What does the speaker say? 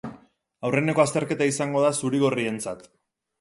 Aurreneko azterketa izango da zuri-gorrientzat.